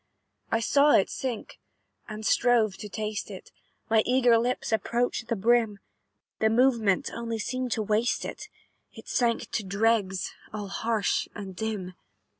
"I saw it sink, and strove to taste it, My eager lips approached the brim; The movement only seemed to waste it; It sank to dregs, all harsh and dim.